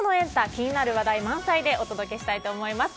気になる話題満載でお届けしたいと思います。